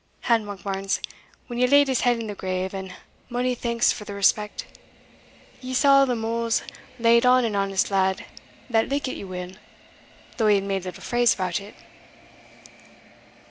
And, Monkbarns, when ye laid his head in the grave (and mony thanks for the respect), ye, saw the mouls laid on an honest lad that likit you weel, though he made little phrase about it."